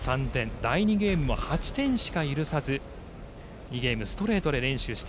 第２ゲームも８点しかゆるさず２ゲームストレートで連取して